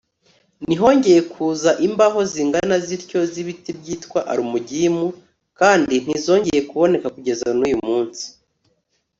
Ntihongeye kuza imbaho zingana zityo z ibiti byitwa alumugimu kandi ntizongeye kuboneka kugeza n uyu munsi